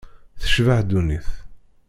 Tecbeḥ ddunit.